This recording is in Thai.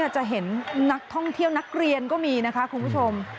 จะเห็นนักท่องเที่ยวนักเรียนก็มีนะคะคุณผู้ชม